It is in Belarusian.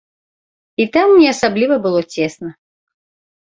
І там не асабліва было цесна.